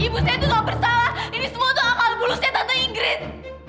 ibu saya tuh gak bersalah ini semua tuh akal bulusnya tante ingrid